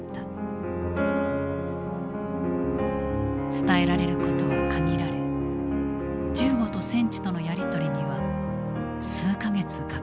伝えられることは限られ銃後と戦地とのやり取りには数か月かかった。